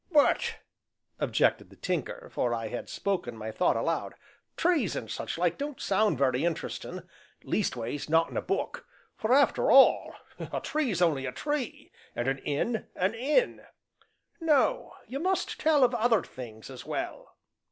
"But," objected the Tinker, for I had spoken my thought aloud, "trees and suchlike don't sound very interestin' leastways not in a book, for after all a tree's only a tree and an inn, an inn; no, you must tell of other things as well."